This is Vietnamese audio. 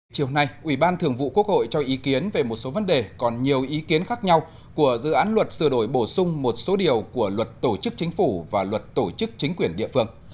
chiều nay ủy ban thường vụ quốc hội cho ý kiến về một số vấn đề còn nhiều ý kiến khác nhau của dự án luật sửa đổi bổ sung một số điều của luật tổ chức chính phủ và luật tổ chức chính quyền địa phương